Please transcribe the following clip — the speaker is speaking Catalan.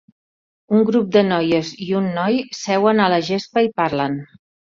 Un grup de noies i un noi seuen a la gespa i parlen.